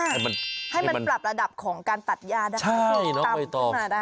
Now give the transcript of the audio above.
ให้มันปรับระดับของการตัดยาได้ใช่เนอะเอาไว้ตอบ